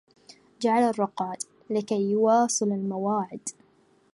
جعل الرقاد لكي يواصل موعدا